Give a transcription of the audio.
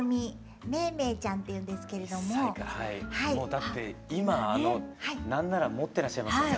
もうだって今なんなら持ってらっしゃいますよね。